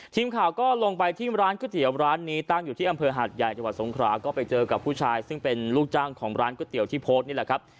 ทีมข่าวก็ลงไปที่ร้านก๋วยเตี๋ยวร้านนี้ตั้งอยู่ที่อำเภอหาดใหญ่จังหวัดสงขราก็ไปเจอกับผู้ชายซึ่งเป็นลูกจ้างของร้านก๋วยเตี๋ยวที่โพสต์นี่แหละครับ